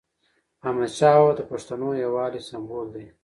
احمدشاه بابا د پښتنو یووالي سمبول دی.